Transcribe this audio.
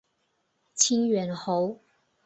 清远侯。